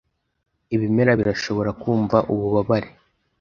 Ibimera birashobora kumva ububabare?